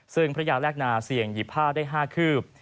ซึ่งพระยาแรกนาเสี่ยงหยิบผ้าได้๕คืบ